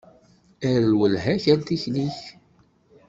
Err lwelha-k ar tikli-k.